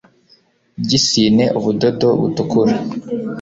ry isine ubudodo butukura